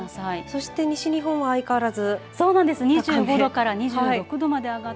そして西日本は相変わらず。